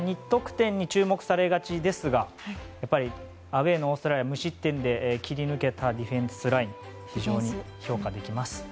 ２得点に注目されがちですがアウェーのオーストラリア無失点で切り抜けたディフェンスライン非常に評価できます。